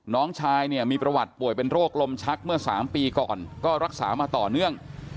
น้องชายเนี่ยมีประวัติป่วยเป็นโรคลมชักเมื่อ๓ปีก่อนก็รักษามาต่อเนื่อง